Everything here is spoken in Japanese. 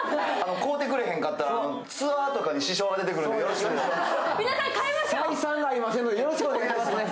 買うてくれへんかったら通販とかに支障が出てくるのでよろしくお願いします。